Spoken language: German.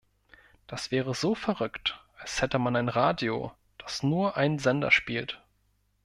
Das wäre so verrückt, als hätte man ein Radio, das nur einen Sender spielt.